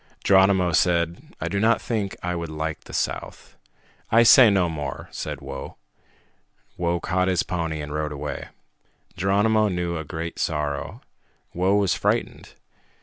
Geronimo said, "I do not think I would like the south." "I say no more," said Whoa. Whoa caught his pony and rode away. Geronimo knew a great sorrow. Whoa was frightened.